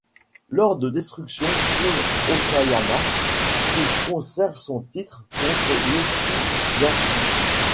Lors de Destruction in Okayama, il conserve son titre contre Yoshi-Hashi.